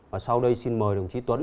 và sau đây xin mời đồng chí tuấn